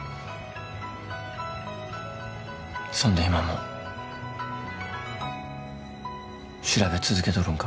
そんで今も調べ続けとるんか？